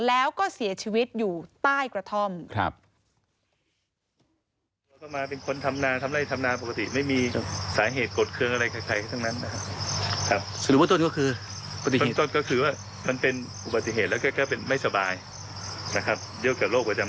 แล้วก็เสียชีวิตอยู่ใต้กระท่อม